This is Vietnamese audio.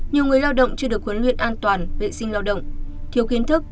nhiều người lao động chưa được huấn luyện an toàn vệ sinh lao động thiếu kiến thức